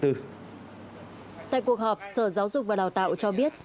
tại cuộc họp sở giáo dục và đào tạo cho biết